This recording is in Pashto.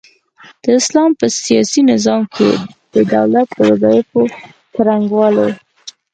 د اسلام په سياسي نظام کي د دولت د وظايفو څرنګوالۍ